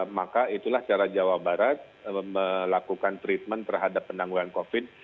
maka itulah cara jawa barat melakukan treatment terhadap penangguhan covid